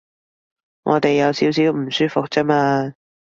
我哋有少少唔舒服啫嘛